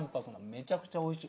めちゃくちゃ美味しい。